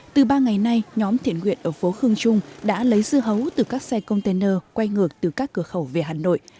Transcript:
từ ba ngày nay nhóm thiện nguyện ở phố khương trung đã lấy dưa hấu từ các xe container quay ngược từ các cửa khẩu về hà nội